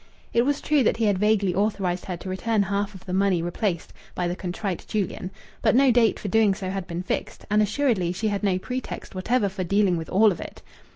It was true that he had vaguely authorized her to return half of the money replaced by the contrite Julian; but no date for doing so had been fixed, and assuredly she had no pretext whatever for dealing with all of it.